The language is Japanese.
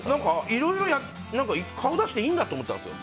いろいろ顔出していいんだと思ったんですよ。